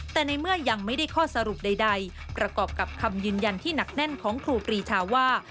แต่ในเมื่อยังไม่ได้ข้อสรุปใดประกอบกับคำยืนยันที่หนักแน่นของครูปรีชาว่า